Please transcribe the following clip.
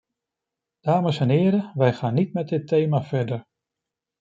Dames en heren, wij gaan niet met dit thema verder.